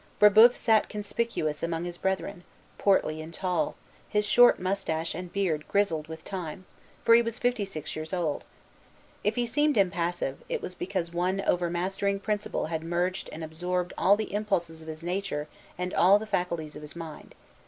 Brébeuf sat conspicuous among his brethren, portly and tall, his short moustache and beard grizzled with time, for he was fifty six years old. If he seemed impassive, it was because one overmastering principle had merged and absorbed all the impulses of his nature and all the faculties of his mind.